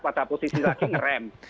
pada posisi lagi ngerem